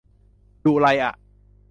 ดุไรอ่ะ